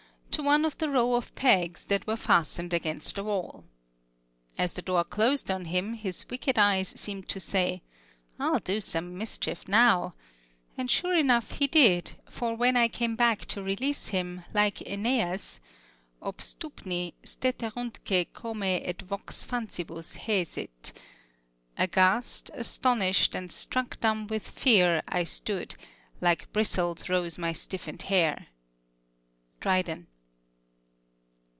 to one of the row of pegs that were fastened against the wall. As the door closed on him his wicked eyes seemed to say, "I'll do some mischief now;" and sure enough he did, for when I came back to release him, like Æneas, "Obstupni, steteruntque comæ et vox fancibus hæsit." [Footnote 5: "Aghast, astonished, and struck dumb with fear, I stood; like bristles rose my stiffened hair." DRYDEN.